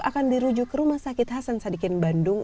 akan dirujuk ke rumah sakit hasan sadikin bandung